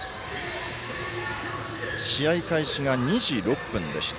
試合開始が２時６分でした。